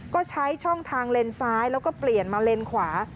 ก็ใช้ช่องทางเลนซ้ายแล้วก็เปลี่ยนมาเลนขวา